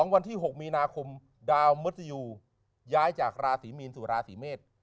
วันที่๖มีนาคมดาวมุทยูย้ายจากราศรีมีนสู่ราศีเมษ